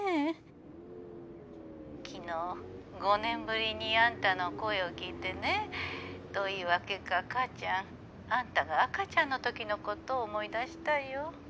☎昨日５年ぶりにあんたの声を聞いてねどういうわけか母ちゃんあんたが赤ちゃんのときのことを思い出したよ。